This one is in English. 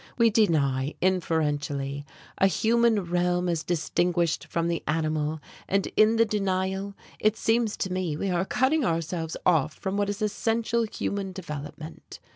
We deny, inferentially, a human realm as distinguished from the animal, and in the denial it seems to me we are cutting ourselves off from what is essential human development.